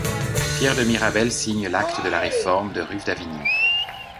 Pierre de Mirabel signe l'acte de la réforme de Ruf d'Avignon.